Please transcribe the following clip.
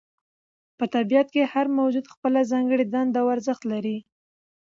په طبیعت کې هر موجود خپله ځانګړې دنده او ارزښت لري.